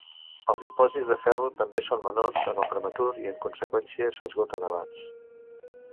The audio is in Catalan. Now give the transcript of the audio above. Els dipòsits de ferro també són menors en el prematur i, en conseqüència, s'esgoten abans.